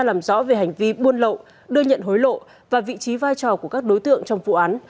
làm rõ về hành vi buôn lậu đưa nhận hối lộ và vị trí vai trò của các đối tượng trong vụ án